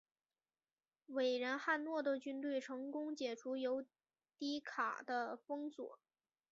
伟人汉诺的军队成功解除由提卡的封锁。